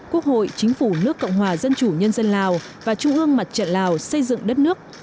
quốc hội chính phủ nước cộng hòa dân chủ nhân dân lào và trung ương mặt trận lào xây dựng đất nước